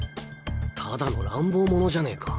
ただの乱暴者じゃねえか。